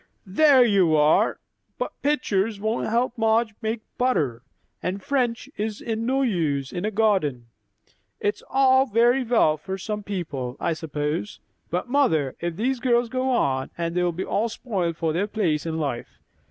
"There you are! But pictures won't help Madge make butter; and French is no use in a garden. It's all very well for some people, I suppose; but, mother, if these girls go on, they'll be all spoiled for their place in life.